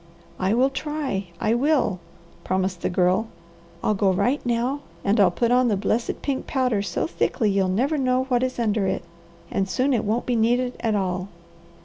"I will try! I will!" promised the Girl. "I'll go right now and I'll put on the blessed pink powder so thickly you'll never know what is under it, and soon it won't be needed at all."